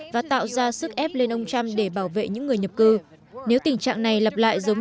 và tạo ra sức ép lên ông trump để bảo vệ những người nhập cư nếu tình trạng này lặp lại giống